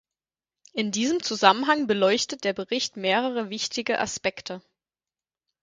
In diesem Zusammenhang beleuchtet der Bericht mehrere wichtige Aspekte.